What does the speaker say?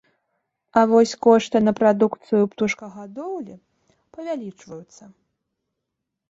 А вось кошты на прадукцыю птушкагадоўлі павялічваюцца.